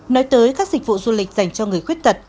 nói tới các dịch vụ du lịch dành cho người khuyết tật